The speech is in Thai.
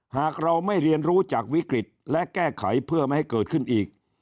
หากเราไม่เรียนรู้จากวิกฤตและแก้ไขเพื่อไม่ให้เกิดขึ้นอีก